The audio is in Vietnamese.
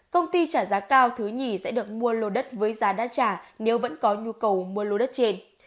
công ty trả giá cao thứ nhì sẽ được mua lô đất với giá đã trả nếu vẫn có nhu cầu mua lô đất trên